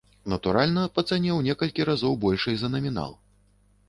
Натуральна, па цане ў некалькі разоў большай за намінал.